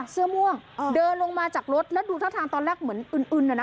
เสื้อม่วงเดินลงมาจากรถแล้วดูท่าทางตอนแรกเหมือนอึนอึนอ่ะนะ